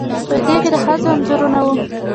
په دې کې د ښځو انځورونه وو